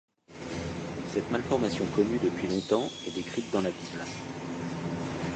Cette malformation connue depuis longtemps est décrite dans la Bible.